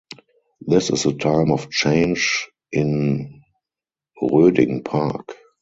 This is a time of change in Roeding Park.